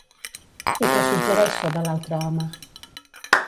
I què suggereix sobre l'altre home?